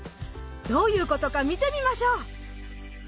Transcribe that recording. どういうことか見てみましょう！